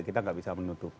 kita enggak bisa menutupi